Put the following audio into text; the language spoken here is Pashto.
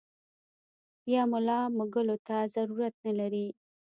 يا ملا مږلو ته ضرورت نۀ وي -